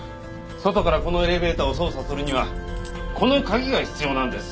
外からこのエレベーターを操作するにはこの鍵が必要なんです。